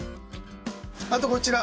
あとこちら。